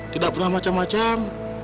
tidak pernah macam macam